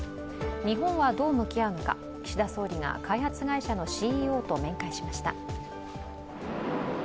日本はどう向き合うのか、岸田総理が開発会社のＣＥＯと面会しました。